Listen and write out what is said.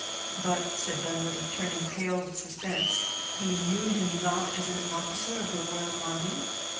"But," said Dunwoodie, turning pale with suspense, "he knew him not as an officer of the royal army?"